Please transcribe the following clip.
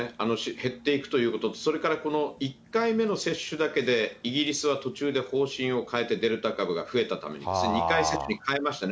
減っていくということと、それからこの１回目の接種だけで、イギリスは途中で方針を変えて、デルタ株が増えたためですね、２回接種に変えましたね。